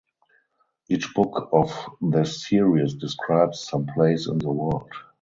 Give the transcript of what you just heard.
Each book of this series describes some place in the world.